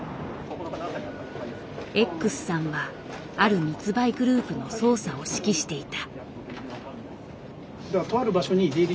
Ｘさんはある密売グループの捜査を指揮していた。